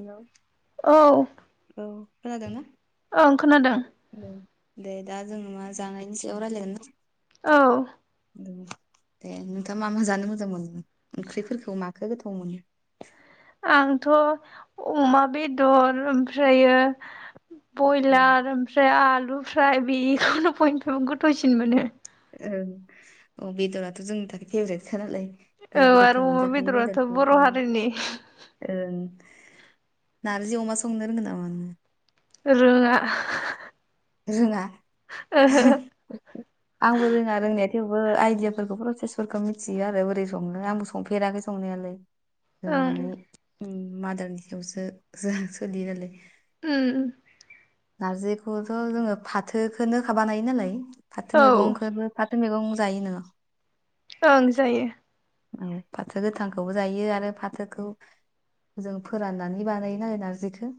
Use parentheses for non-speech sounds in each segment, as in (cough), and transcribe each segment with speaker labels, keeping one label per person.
Speaker 1: हेल'
Speaker 2: औ
Speaker 1: औ खोनादोंना
Speaker 2: ओं खोनादों
Speaker 1: औ दे दा जोंङो मा जानायनि सायाव रायलायगोनना
Speaker 2: औ
Speaker 1: दे नोंथाङा मा मा जानो मोजां मोनो ओंख्रिफोरखौ माखो गोथाव मोनो
Speaker 2: आंथ' अमा बेदर ओमफ्रायो
Speaker 1: ओ
Speaker 2: बयलार ओमफ्राय आलु फ्राय बेखौनो फयनिफ्रायबो गोथावसिन मोनो
Speaker 1: औ अ बेदराथ' जोंनि थाखाय फेभरेट खा नालाय
Speaker 2: औ
Speaker 1: बयबो
Speaker 2: आरो
Speaker 1: गोथाव
Speaker 2: अमा
Speaker 1: मोनजाखायो
Speaker 2: बेदराथ'
Speaker 1: बेदरखौ
Speaker 2: बर'
Speaker 1: ओं
Speaker 2: हारिनि
Speaker 1: ओं नारजि अमा संंनो रोंगोन नामा नोङो
Speaker 2: रोङा
Speaker 1: रोङा
Speaker 2: ओहो
Speaker 1: आंबो रोङा रोंनाय थेवबो आइदियाफोरखौ प्रसेसफोरखौ मिथियो आरो बोरै सङो आंबो संफेराखै संनायालाय जों
Speaker 2: ओं
Speaker 1: मानि मादारनि सायावसो जों सोलियो नालाय
Speaker 2: उ
Speaker 1: नारजिखौथ' जोङो फाथोखौनो बानायो नालाय फाथो
Speaker 2: औ
Speaker 1: मैगंखौबो फाथो मैगं जायो नोङो
Speaker 2: ओं जायो
Speaker 1: फाथो गोथांखौबो जायो आरो फाथोखौ जों फोराननानै बानायो ना आरो नारजिखौ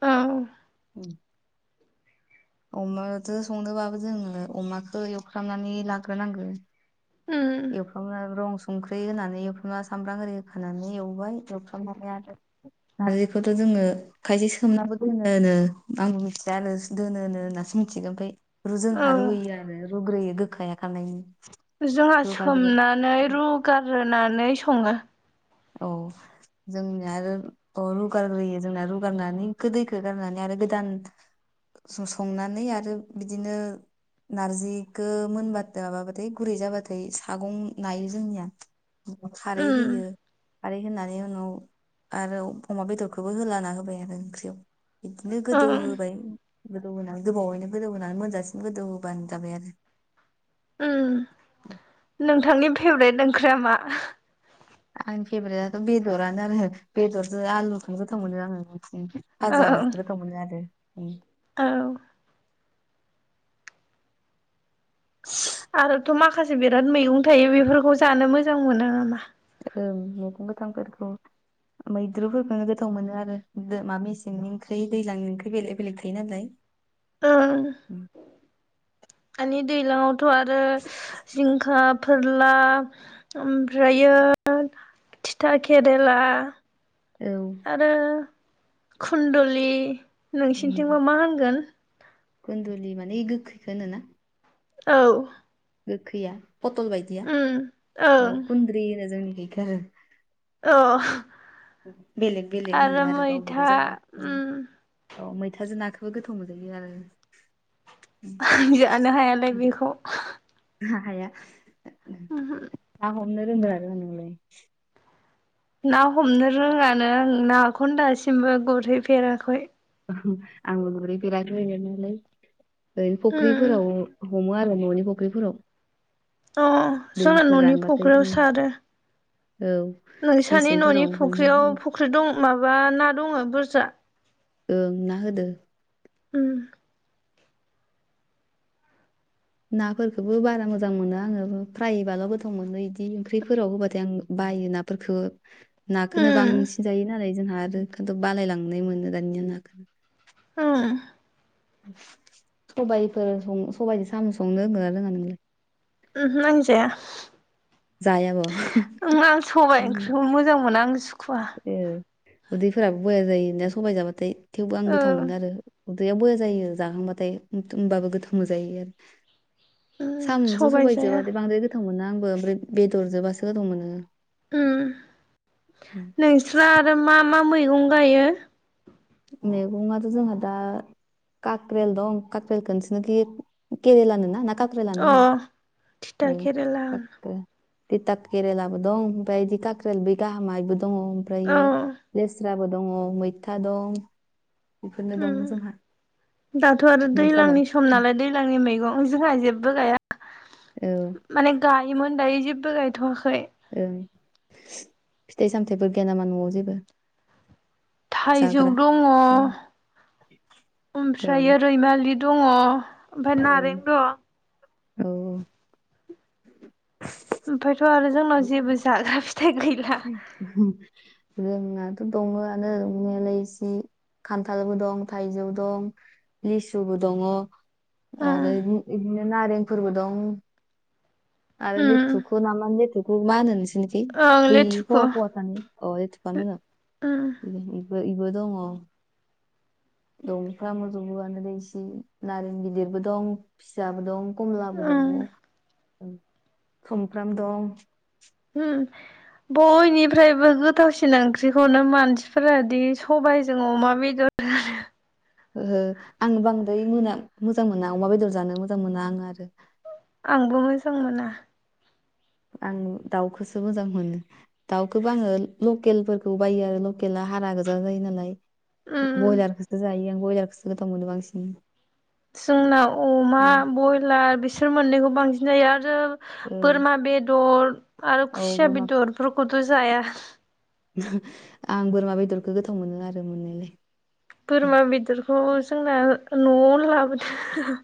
Speaker 2: औ
Speaker 1: उ अमादो संनोबाबो जोङो अमाखौ एवफ्रामनानै लाग्रोनांगौ
Speaker 2: उम
Speaker 1: एवफ्रामना रं संख्रि होनानै एवफ्रामना सामब्राम आरि होखानै एवबाय एवफ्रामनानै आरो नारजिखौथ' जोङो खायसे सोमनाबो दोनो नो आंबो मिथिया आरो दोनो नो होननासो मिथिगौ ओमफ्राय
Speaker 2: औ
Speaker 1: जोंहा रुयो आरो रुग्रोयो गोखाया खारनायनि
Speaker 2: जोंहा
Speaker 1: रुगारग्रो
Speaker 2: सोमनानै रुगारनानै सङो
Speaker 1: औ जोंनिया आरो रुगारग्रोयो जोंना रुगारनानै गो दैखौ गारनानै आरो गोदान संनानै आरो बिदिनो नारजिखौ मोनबाथाय माबाबाथाय गुरै जाबाथाय सागं नायो जोंनिया खारै
Speaker 2: उम
Speaker 1: होयो खारै होनानै उनाव आरो अमा बेदरखौबो होल्लाना होबाय आरो ओंख्रियाव बिदिनो गोदौ
Speaker 2: ओं
Speaker 1: होबाय गोदौ होनानै गोबावैनो गोदौ होनानै मोनजासिम गोदौ होबानो जाबाय आरो
Speaker 2: उ नोंथांनि फेभरेट ओंख्रिया मा?
Speaker 1: आंनि फेभरेटआथ' बेदरानो आरो बेदरजों आलुखौनो गोथाव मोनो आङो
Speaker 2: औ
Speaker 1: जाबासो गोथाव मोनो आरो
Speaker 2: औ आरोथ' माखासे बिराद मैगं थायो बेफोरखौ जानो मोजां मोनो नामा
Speaker 1: ओं मैगं गोथांफोरखौ मैद्रुफोरखौनो गोथाव मोनो आरो मा मेसेंनि ओंख्रि दैज्लांनि ओंख्रि बेलेग बेलेग थायो नालाय
Speaker 2: ओ हानि दै लाव थ' आरो जिंखा फोरला ओमफ्रायो थिथा केरेला
Speaker 1: औ
Speaker 2: आरो खुन्दलि नोंसिनिथिंबो मा होनगोन
Speaker 1: खुन्दुलि माने गोखैखौ होनोना
Speaker 2: औ
Speaker 1: गोखैया पथल बायदिया
Speaker 2: उम ओं
Speaker 1: औ खुन्द्रिरि होनो जोंनि
Speaker 2: अ
Speaker 1: बेलेग बेलेग होनो आरो गावबा गाव
Speaker 2: मैथा
Speaker 1: जायगा
Speaker 2: उम
Speaker 1: औ मैथाजों नाखौबो गोथाव मोनजायो आरो
Speaker 2: जानो हायालाय बिखौ
Speaker 1: हाया
Speaker 2: (unintelligible)
Speaker 1: (unintelligible)
Speaker 2: ना हमनो रोङानो आं नाखौनो दासिमबो गुरहैफेराखै
Speaker 1: आंबो गुरै फेराखै गुरैनायालाय ओरैनो
Speaker 2: उम
Speaker 1: फुख्रिफोराव हमो आरो न'नि फुख्रिफोराव
Speaker 2: अ जोंना
Speaker 1: दैफोर
Speaker 2: न'नि
Speaker 1: रानबाथाय
Speaker 2: फख्रियाव
Speaker 1: उम
Speaker 2: सारो
Speaker 1: औ
Speaker 2: नोंसानि न'नि
Speaker 1: मेसेंफोराव हमो
Speaker 2: फुख्रियाव
Speaker 1: उम
Speaker 2: फुख्रि दं माबा ना दंङो बुरजा
Speaker 1: ओं ना होदों
Speaker 2: ओम
Speaker 1: नाफोरखौबो बारा मोजां मोनो आंङो फ्रायबाल' गोथाव मोनो इदि ओंख्रिफोराव होबाथाय आं बायो नाफोरफोरखौ नाखौनो
Speaker 2: उम
Speaker 1: बांसिन जायो नालाय जोंहा आरो खिन्थु बालायलांनाय मोनो दानिया नाखौनो
Speaker 2: होम
Speaker 1: सबायफोर सबायजों साम' संनो रोंङोआ रोङा नोंलाय
Speaker 2: ओमहो आं जाया
Speaker 1: जायाब'
Speaker 2: आं सबायाइ ओंख्रिखौ मोजां मोना आं सुखुवा
Speaker 1: ए उदैफोराबो बया जायो ना सबाय जाबाथाय थेवबो आं
Speaker 2: ओ
Speaker 1: गोथाव मोनो आरो उदैया बया जायो जाहांबाथाय होमबाबो गोथाव मोनजायो आरो
Speaker 2: उम
Speaker 1: साम'जों
Speaker 2: सबाइ जाया
Speaker 1: सबायजोबथाय बांद्राय गोथाव मोनो आंबो ओमफ्राय बेदरजोबासो गोथाव मोनो
Speaker 2: नोंस्रा आरो मा मा मैगं गायो।
Speaker 1: मैगंयाथ' जोंहा दा कक्रेल दं कक्रेलखौसोरनोखि केरेेल ना मा काख्रेल लानो
Speaker 2: अ
Speaker 1: होनो
Speaker 2: थिथा
Speaker 1: औ
Speaker 2: केरेला
Speaker 1: काख्रेल दिता केरेलाबो दं ओमफ्राय दिटा केरेल बै गाहामायबो दंङो
Speaker 2: औ
Speaker 1: ओमफ्रायो ल फुजाबो दंङो मैथा दं बेफोरनो दं जोंहा
Speaker 2: दाथ' आरो
Speaker 1: नोंसालाय
Speaker 2: दैलांनि सम नालाय दैज्लांनि मैगं जोंहा जेबो जेबो गाया
Speaker 1: औ
Speaker 2: माने गायोमोन दायो जेबो गायथ'वाखै
Speaker 1: ओं फिथाइ सामथायाइफोर गैया नामा न'आव जेबो
Speaker 2: थाइजौ
Speaker 1: जाग्रा
Speaker 2: दंङो
Speaker 1: औ
Speaker 2: ओमफ्राय
Speaker 1: ओं
Speaker 2: रैमालि दंङो ओमफफ्राय
Speaker 1: ओं
Speaker 2: नारें दं
Speaker 1: औ
Speaker 2: ओमफ्रायायथ' आरो जोंनाव जेबो जाग्रा फिथाइ गैला
Speaker 1: जोंनााथ' दंङो आनो दफनाया एसे खान्थालबो दं थाइजौ दं लिसुबो दंङो आरो बिदिनो नारें फोरबो दं आरोदि थुख न माने थुख मा होनस नि
Speaker 2: ओं
Speaker 1: बेै
Speaker 2: लेथुखु
Speaker 1: फवानि अ लेथुखुयानो होनो इबो दंङो दंफ्रा मोजौबोआनो दै इसे नारें गिदिरबो दं फिसाबो दं कमलाबो दंङो सुमफ्राम दं
Speaker 2: होम बयनिफ्रायबो गोथावसिन ओंख्रिखौनो मानसिफोरा दि सबाइजों अमा बेदर (inaudible)
Speaker 1: ओहो आं बांद्राय मोना मोजां मोना अमा बेदर जानो मोजां मोना आङो आरो
Speaker 2: आंबो मोजां मोना
Speaker 1: आं दाउखौसो मोजां मोनो दाउखौबो आङो लकेलफोरखौ बायो आरो लकेला हारा गोजान जायो नालाय ब्रयलारखौसो जायो आं ब्रयलारखौसो गोथाव मोनो बांसिन
Speaker 2: जोंनाव अमा बयलार बिसोर मोननैखौ बांसिन जायो आर रो
Speaker 1: ओं
Speaker 2: बोरमा बेदर आरो
Speaker 1: औ
Speaker 2: खुसिया
Speaker 1: बोरमा
Speaker 2: बेदरफोरखौथ' जाया।
Speaker 1: आं बोरमा बेदरखौ गोथाव मोनो आरो मोननायलाय
Speaker 2: बोरमा बेदरखौ जोंना न'आवनो लाबोदो (unintelligible)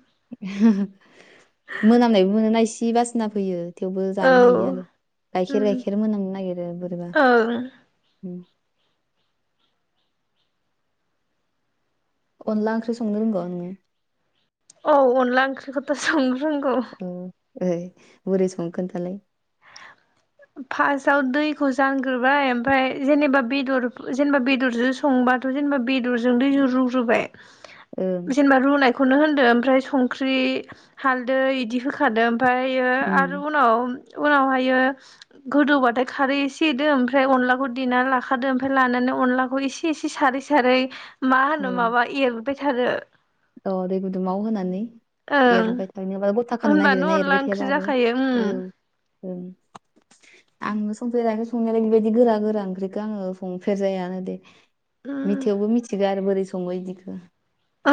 Speaker 1: मोनामनायबो मोनोना इसे बासिना फैयो। थेवबो
Speaker 2: औ
Speaker 1: जानो हायो आरो गाइखेर
Speaker 2: उम
Speaker 1: गाइखेर मोनांनो नागिरो बोरैबा
Speaker 2: ओं
Speaker 1: अनला ओंख्रि संनो रोंगौ नोङो
Speaker 2: औ अनला ओंख्रिखौथ' सं रोंगौ
Speaker 1: ओ बोरै सङो खोनथालाय
Speaker 2: फार्स्टाव दैखौ जानग्रोबाय ओमफ्राय जेनेबा बेदर जेनेबा बेदरजों सं बाथ' बेदरजों दैजों रुग्रोबाय
Speaker 1: ओं
Speaker 2: जेनबा रुनाय खौनो होनदों मफ्राय संख्रि हाल्दै इदि होखादों ओमफ्रायो
Speaker 1: उम
Speaker 2: आरो उनाव उनावहायो गोदौबाथाय खारै एसे एदो ओमफ्राय अनलाखौ देना लाखादो ओमफ्राय लानानै अनलाखौ इसे एसे सा सारै सारै मा होनो माबा एरबाय थादो
Speaker 1: अ दै गुदुङाव होनानै
Speaker 2: ओं
Speaker 1: एरबाय थायो नाबाल (unintelligible) गथा खानो नागिर
Speaker 2: होनबानो
Speaker 1: ना
Speaker 2: अनला
Speaker 1: एरबाय
Speaker 2: ओंख्रि
Speaker 1: थायाबा आरो
Speaker 2: जाखायो उम
Speaker 1: औ ओं आङो संफेराखै संनायालाय बेबायदि गोरा गोरा ओंख्रिखौ आङो संफेर जायाानो दे
Speaker 2: उम
Speaker 1: मिथायावबो मिथिगौ आरो बोरै सङो इदिख
Speaker 2: अ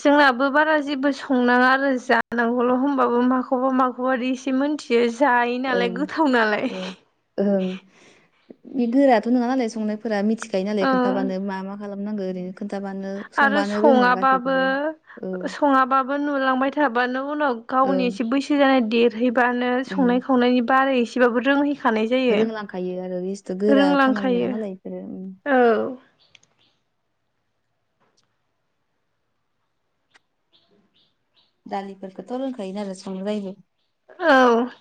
Speaker 2: जोंनाबो बारा जेबो संनाङा आरो जानांगौल' होमबाबो माखौबा माखौबि एसे मिथियो जायो नालाय
Speaker 1: ओं
Speaker 2: गोथाव नालाय
Speaker 1: ओं ओं बे गोराथ' नङा नालाय संनायफोरा मिथिखायो नालाय
Speaker 2: ओं
Speaker 1: खोनन्थाबानो मा मा खालामनांगौ ओरैनो खोन्थाबानो
Speaker 2: आरो
Speaker 1: संबानो रोङो
Speaker 2: सङाबाबो
Speaker 1: गासैखौबो औ
Speaker 2: सङाबाबो नुलांबाय थाब नों उनाव गावनि
Speaker 1: ओं
Speaker 2: एसे बैसो जानाय बारहैबानो
Speaker 1: उम
Speaker 2: संनाय खावनायनि बारै एसेबाबो रोंहै खानाय जायो
Speaker 1: रोंलांखायो आरो बेस्थु गोरा खामानि नङा
Speaker 2: रोंलांखायो
Speaker 1: नालाय बेफोरो उम
Speaker 2: औ
Speaker 1: दालिफोरखौथ' रोंंखायो नालाय संनो बायो
Speaker 2: औ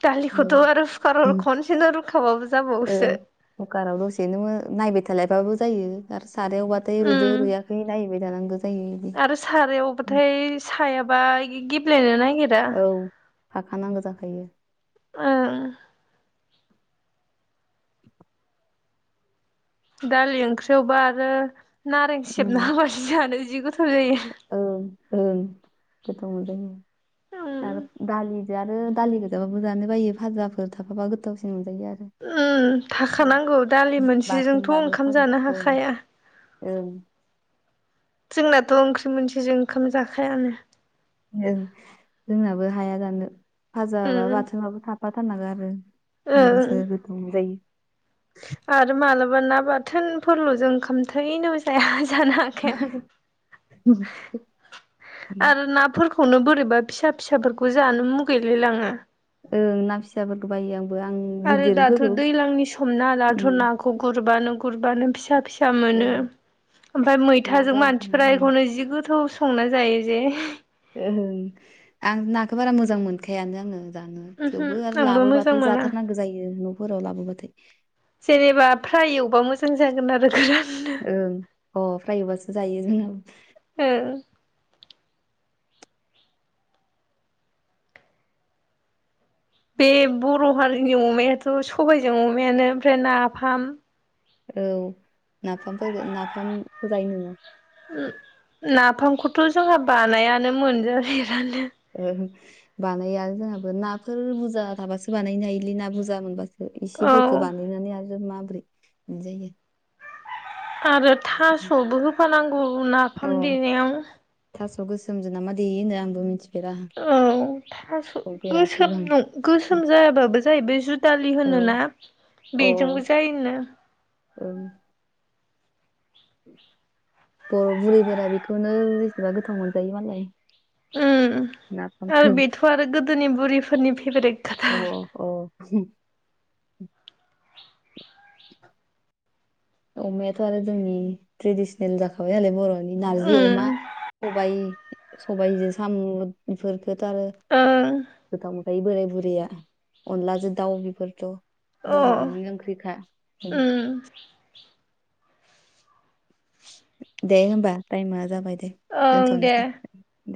Speaker 2: दालिखौथ' आरो कुकार खनसेनो रुखाबाबो जाबावोसो
Speaker 1: ओं कुकाराव दसे नो नायबाय था लायबाबो जायो आरो सारायावबाथाय
Speaker 2: उम
Speaker 1: रुदो रुयाखै नायबाय थानांगौ जायो बिदि
Speaker 2: आरो सारायावबाथाय सायाबा गेब्लायनो ना
Speaker 1: औ थाखानांगौ जाखायो
Speaker 2: उम
Speaker 1: (inaudible)
Speaker 2: दालि ओंख्रियावबा आरो नारें
Speaker 1: उम
Speaker 2: सेबना होबासो जिनो गोथाव (unintelligible) जायो
Speaker 1: ओं ओं गोथाव मोनजायो आरो
Speaker 2: उम
Speaker 1: दालि (unintelligible) आरो दालि गोजाबो जानो बायो भाजाफोर थाफाबा गोथावसिन मोनजायो आरो
Speaker 2: उम थाखानांगौ दालि मोनसेजोंथ'
Speaker 1: बाथोनबाबो
Speaker 2: ओंखाम
Speaker 1: फाजा
Speaker 2: जानो
Speaker 1: ओं
Speaker 2: हाखाया।
Speaker 1: ओं।
Speaker 2: जोंनाथ' ओंख्रि मोनसेजों ओंखाम जाखायानो।
Speaker 1: ओं जोंनाबो हाया जानो फाजााबा
Speaker 2: उम
Speaker 1: बाथोनबाबो थाफाथारनांगौ आरो।
Speaker 2: ओ
Speaker 1: होमब्लासो गोथाव मोन जायो।
Speaker 2: आरो मालाबा ना बाथोनफोरल' जों ओंखाम थैनोबो जाया। जाखाया आरो नाफोर खौनो बोरैबा फिसा फिसाफोरखौ जानो मुगैलायलाङो।
Speaker 1: ओं ना फिसाफोरखौ बायो आं।
Speaker 2: आरो दाथ'
Speaker 1: गिदिरफोरखौ
Speaker 2: दैज्लांनि समना दाथ'
Speaker 1: उम
Speaker 2: नाखौ गुरबानो गुरबानो फिसा फिसा। सा मोनो
Speaker 1: ओं
Speaker 2: ओमफ्राय
Speaker 1: ना
Speaker 2: मैथाजों
Speaker 1: जादों
Speaker 2: मानसिफ्रा एखौनो जि गोथाव। संना जायो जे
Speaker 1: ओ आं नाखौ बारा मोजां मोनखायानो आङो। जानो
Speaker 2: उमहो
Speaker 1: थेवबो आरो
Speaker 2: आंबो मोजां
Speaker 1: लाबोबाथाय
Speaker 2: मोना।
Speaker 1: जाथारनांगौ जायो न'फोराव लाबोबाथाय।
Speaker 2: जेनेबा फ्राय एवबा मोजां जागोन आरो।
Speaker 1: ओं अ फ्राय एवबासो जायो जोंनाबो।
Speaker 2: ओं बे बर' हारिनि अमायाथ' सबायजों अमायानो ओमफ्राय नाफाम।
Speaker 1: औ नाफामफोर नाफामखौ‌ जायो नोङो।
Speaker 2: नाफामखौथ' जोंहा बानायानो मोनजायो।
Speaker 1: ओं बानायानो जोंहाबो नाफोर बुरजा थाबासो बानायनो हायोलै ना बुरजा मोनबासो।
Speaker 2: औ
Speaker 1: इसेफोरखौ बानायनानै आरो माबोरै मोनजायो।
Speaker 2: आरो थास'बो होफानांगौ नाफाम
Speaker 1: अ
Speaker 2: देनायाव
Speaker 1: थास' गोसोमजों नामा देयोनो आंबो मिथि
Speaker 2: औ थास' गोसोम
Speaker 1: संफेराखैबो
Speaker 2: न गोसोम जायाबाबो जाहैबाय दुदालि होन
Speaker 1: आं
Speaker 2: ना बेजोंबो जायोनो।
Speaker 1: औ। औ बर' बुरैफोरा बेखौनो बेसेबा गोथाव मोनजायो मालाय।
Speaker 2: उम। आरो
Speaker 1: नाफामखौ
Speaker 2: बेथ' आरो गोदोनि बुरिफोरनि फेभारेट
Speaker 1: अ
Speaker 2: खाथार
Speaker 1: अ (inaudible)
Speaker 2: (inaudible)
Speaker 1: अमायाथ' आरो जोंनि ट्रेडिसनेल जाखाबाय नालाय बर'नि नारजि
Speaker 2: उम
Speaker 1: अमा। सबाय सबायजों साम' बेफोरखौथ' आरो।
Speaker 2: ओं
Speaker 1: गोथाव मोनखायो बोराय बुरैया अनलाजों दाउ बेफोरथ'।
Speaker 2: अ
Speaker 1: बर'नि ओंख्रिखा ओं
Speaker 2: उम
Speaker 1: दे होमबा टाइमा जाबाय दे।
Speaker 2: ओं दे।
Speaker 1: दोनथ'नोसै दे